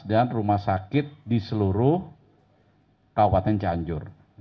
dan rumah sakit di seluruh kabupaten cianjur